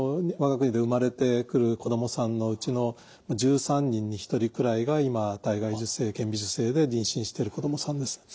我が国で生まれてくる子どもさんのうちの１３人に１人くらいが今体外受精顕微授精で妊娠してる子どもさんです。